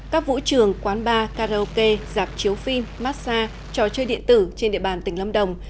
các vũ trường quán bar karaoke giạp chiếu phim massage trò chơi điện tử trên địa bàn tỉnh lâm đồng